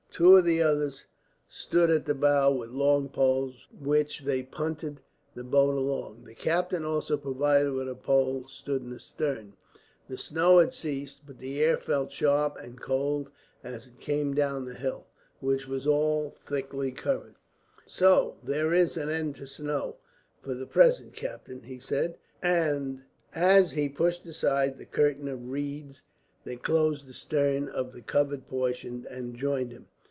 Two of the others stood at the bow with long poles, with which they punted the boat along. The captain, also provided with a pole, stood in the stern. The snow had ceased, but the air felt sharp and cold as it came down from the hills, which were all thickly covered. "So there is an end of the snow, for the present, captain," he said, as he pushed aside the curtain of reeds that closed the stern of the covered portion, and joined him.